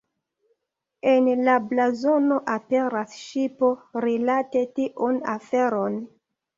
En la blazono aperas ŝipo rilate tiun aferon.